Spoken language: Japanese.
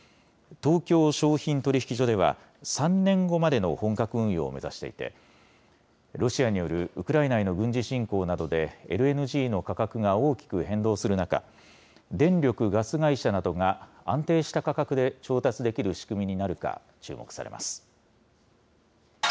東京商品取引所では、３年後までの本格運用を目指していて、ロシアによるウクライナへの軍事侵攻などで、ＬＮＧの価格が大きく変動する中、電力・ガス会社などが安定した価格で調達できる仕組みになるか、注目されます。